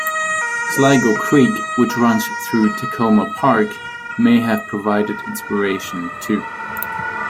Sligo Creek, which runs through Takoma Park, may have provided inspiration, too.